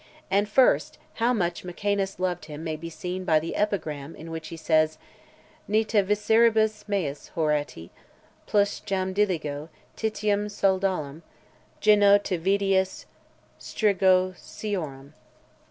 And first, how much Mecaenas loved him may be seen by the epigram in which he says: Ni te visceribus meis, Horati, Plus jam diligo, Titium sodalem, Ginno tu videas strigosiorem.